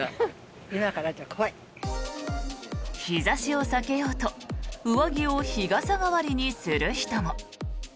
日差しを避けようと上着を日傘代わりにする人も。